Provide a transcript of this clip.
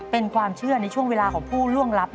เป็นความเชื่อในช่วงเวลาของผู้ล่วงลับ